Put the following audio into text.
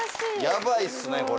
ヤバいっすねこれ。